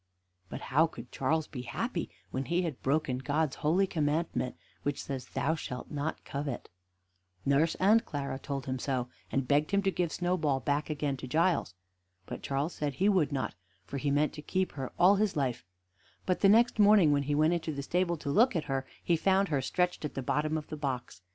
But how could Charles be happy when he had broken God's holy commandment, which says, "Thou shalt not covet?" Nurse and Clara told him so, and begged him to give Snowball back again to Giles. But Charles said he would not, for he meant to keep her all his life; but the next morning, when he went into the stable to look at her, he found her stretched at the bottom of the box.